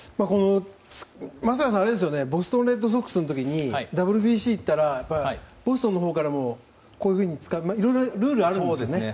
松坂さんボストン・レッドソックスの時にＷＢＣいったらボストンのほうからもいろいろなルールがあるんですよね。